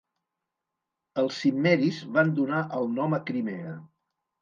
Els cimmeris van donar el nom a Crimea.